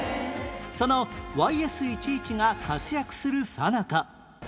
その ＹＳ−１１ が活躍するさなか